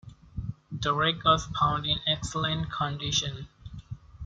The wreck was found in excellent condition.